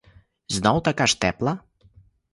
Знов така ж тепла?